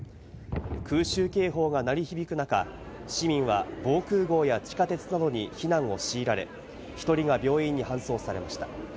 空襲警報が鳴り響く中、市民は防空壕や地下鉄などに避難を強いられ、１人が病院に搬送されました。